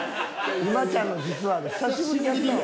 「今ちゃんの実は」で久しぶりにやったわ。